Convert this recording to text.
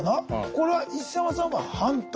これは磯山さんは「反対」。